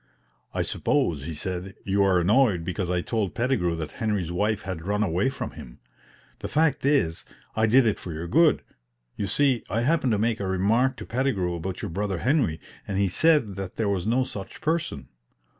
"I suppose," he said, "you are annoyed because I told Pettigrew that Henry's wife had run away from him. The fact is, I did it for your good. You see, I happened to make a remark to Pettigrew about your brother Henry, and he said that there was no such person.